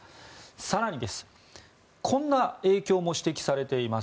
更にこんな影響も指摘されています。